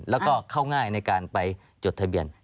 แล้วก็เข้าง่ายในการไปจดทะเบียน